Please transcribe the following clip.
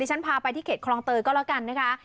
ฉันพาไปที่เขตคลองเตยก็แล้วกันนะคะ